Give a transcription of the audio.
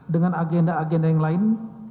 dengan agenda agenda yang lain